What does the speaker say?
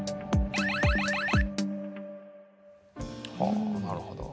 はあなるほど。